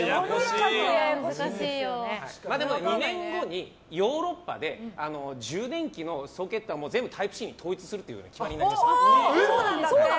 でも２年後に、ヨーロッパで充電器のソケットは全部タイプＣに統一するという決まりになりました。